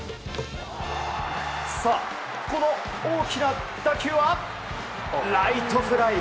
この大きな打球はライトフライ。